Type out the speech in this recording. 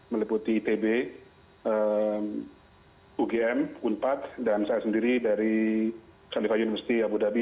meliputi itb ugm unpad dan saya sendiri dari khalifah yunusti abu dhabi